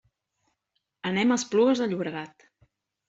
Anem a Esplugues de Llobregat.